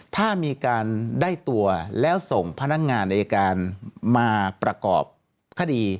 ถ้ามีการได้ตัวแล้วส่งพนักงานอายการมาประกอบคดี